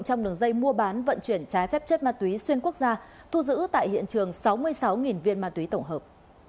trong đường dây mua bán vận chuyển trái phép chất ma túy xuyên quốc gia thu giữ tại hiện trường sáu mươi sáu viên ma túy tổng hợp